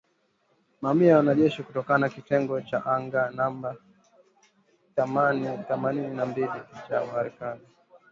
Mamia ya wanajeshi kutoka kitengo cha anga namba thamanini na mbili cha Marekani.